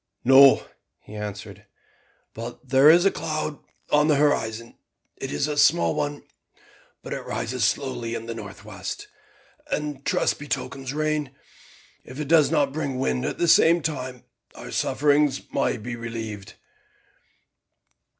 "No," he answered, "but there is a cloud in the horizon. It is a small one, but it rises slowly in the north west, and I trust betokens rain. If it does not bring wind at the same time, our sufferings may be relieved."